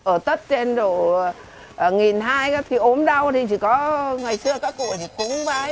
ở tất trên độ một hai trăm linh thì ốm đau thì chỉ có ngày xưa các cụ thì cúng vái